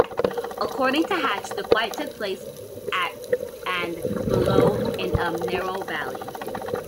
According to Hatch, the fight took place at and below in a narrow valley.